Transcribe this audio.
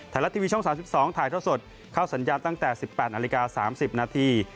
ไทยและทีวีช่องสามสิบสองถ่ายทั่วสดเข้าสัญญาณตั้งแต่สิบแปดนาฬิกาสามสิบนาที